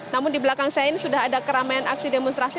namun di belakang saya ini sudah ada keramaian aksi demonstrasi